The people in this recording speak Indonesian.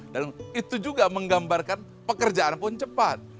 dan itu juga menggambarkan pekerjaan pun cepat